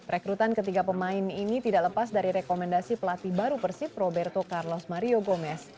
rekrutan ketiga pemain ini tidak lepas dari rekomendasi pelatih baru persib roberto carlos mario gomez